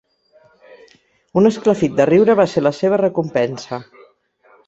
Un esclafit de riure va ser la seva recompensa.